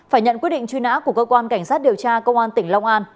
phải nhận quyết định truy nã của cơ quan cảnh sát điều tra công an tỉnh long an